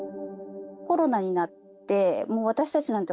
コロナになって、もう私たちなんて